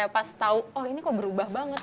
pas tau oh ini kok berubah banget